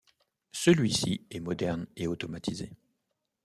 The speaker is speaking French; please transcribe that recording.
Celui-ci est moderne et automatisé.